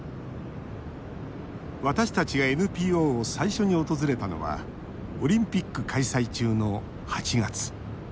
私たちがＮＰＯを最初に訪れたのはオリンピック開催中の８月。